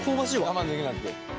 我慢できなくて。